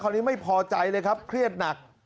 นี้ไม่พอใจเลยครับเครียดหนัก